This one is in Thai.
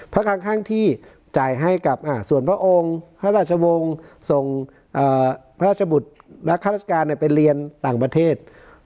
ครั้งข้างที่จ่ายให้กับส่วนพระองค์พระราชวงศ์ส่งพระราชบุตรและข้าราชการไปเรียนต่างประเทศ